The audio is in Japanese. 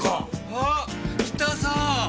あっキタさん！